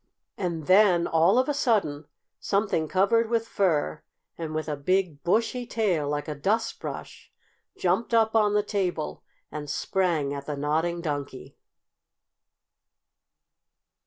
And then, all of a sudden, something covered with fur and with a big, bushy tail, like a dustbrush, jumped up on the table and sprang at the Nodding Donkey.